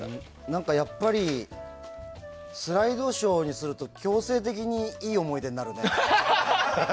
何かやっぱりスライドショーにすると強制的に、いい思い出になるね。